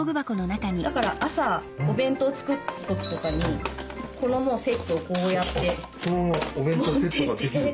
だから朝お弁当作る時とかにこのセットをこうやって持ってって。